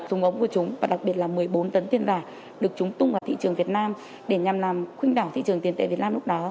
súng ống của chúng và đặc biệt là một mươi bốn tấn tiền giả được chúng tung vào thị trường việt nam để nhằm làm khuyên đảo thị trường tiền tệ việt nam lúc đó